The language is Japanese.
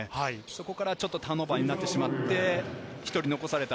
そこからちょっとターンオーバーになってしまって、１人残された。